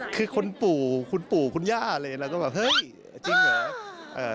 คือคุณปู่คุณปู่คุณย่าเลยเราก็แบบเฮ้ยจริงเหรอ